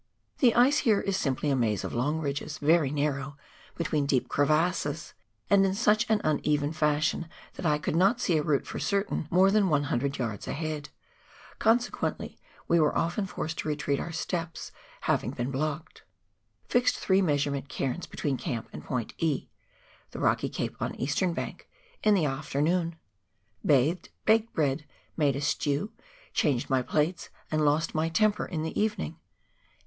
The ice here is simply a maze of long ridges, very narrow, between deep crevasses, and in such uneven fashion that I could not see a route for certain more than 100 yards ahead, consequently we were often forced to retrace our steps, having been blocked. Fixed three measurement cairns between camp and point E. (the rocky cape on eastern bank) in the afternoon. Bathed, baked bread, made a stew, changed my plates and lost my temper in the evening